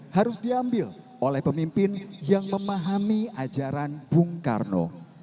harus diambil oleh pemimpin yang memahami ajaran bung karno